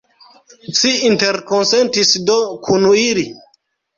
Ci interkonsentis do kun ili?